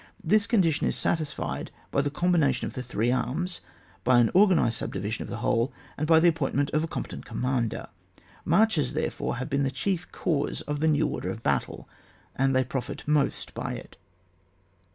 This condition is satisfied by the combina lion of the three arms, by an organised* subdivision of the whole, and by the appointment of a competent commander. Marches, therefore, have been the chief cause of the new order of battle, and they profit most by it.